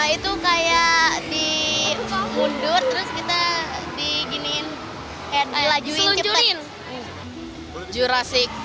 itu kayak dimundur terus kita diginiin kayak dilajuin cepet